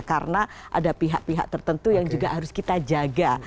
karena ada pihak pihak tertentu yang juga harus kita jaga